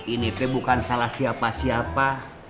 ini tuh bukan salah siapa